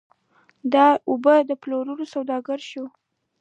د اوبو پلورل سوداګري شوې؟